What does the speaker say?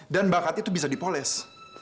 dan bakat itu bisa dipoles